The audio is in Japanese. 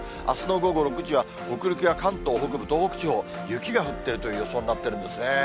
あすの午後６時は北陸や関東北部、東北地方、雪が降ってるという予想になってるんですね。